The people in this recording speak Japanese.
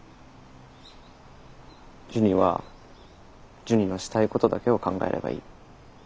ジュニはジュニのしたいことだけを考えればいい。